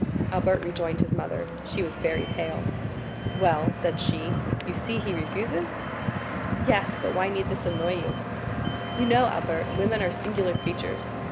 Albert rejoined his mother; she was very pale. "Well," said she, "you see he refuses?" "Yes; but why need this annoy you?" "You know, Albert, women are singular creatures.